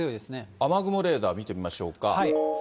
雨雲レーダー見てみましょうか。